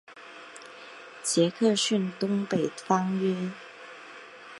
杰克逊东北方约。